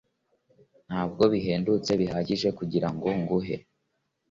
Ntabwo bihendutse bihagije kugirango ngure